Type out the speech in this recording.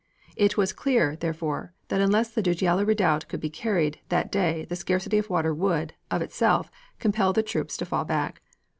It was clear, therefore, that unless the Dujailah redoubt could be carried that day the scarcity of water would, of itself, compel the troops to fall back.